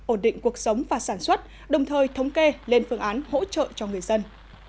ổn định cuộc sống và sản xuất đồng thời thống kê lên phương án hỗ trợ cho người dân